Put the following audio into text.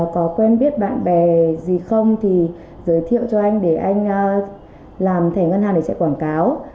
có quen biết bạn bè gì không thì giới thiệu cho anh để anh làm thẻ ngân hàng để chạy quảng cáo